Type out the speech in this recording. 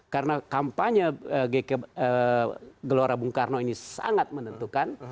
karena kampanye gelora bung karno ini sangat menentukan